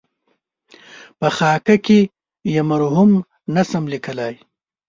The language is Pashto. په خاکه کې یې مرحوم نشم لېکلای.